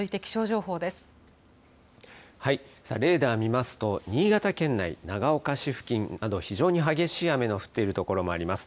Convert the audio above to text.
レーダー見ますと、新潟県内、長岡市付近など非常に激しい雨の降っている所もあります。